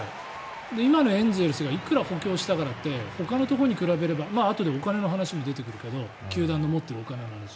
今のエンゼルスがいくら補強したからってほかのところに比べればあとでお金の話も出てくるけど球団で持ってるお金の話。